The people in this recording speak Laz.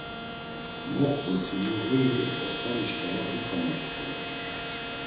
Moxt̆usiti Murğuli Osmani şǩala dikomocu xolo.